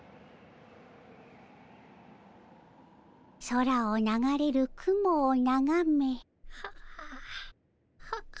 空を流れる雲をながめ。